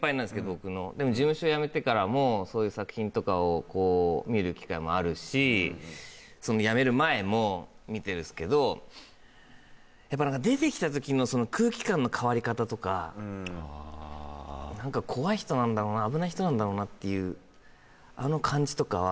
僕のでも事務所辞めてからもそういう作品とかをこう見る機会もあるしその辞める前も見てるんすけどやっぱり何かああ何か怖い人なんだろうな危ない人なんだろうなっていうあの感じとかはあ